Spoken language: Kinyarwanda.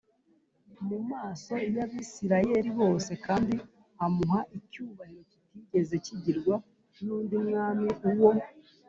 mu maso y Abisirayeli bose kandi amuha icyubahiro kitigeze kigirwa n undi mwami uwo